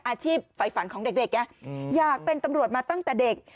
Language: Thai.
อาชีพไฟฟันของเด็กอยากเป็นตำรวจมาตั้งแต่เด็ก